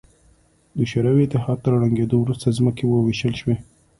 د شوروي اتحاد تر ړنګېدو وروسته ځمکې ووېشل شوې.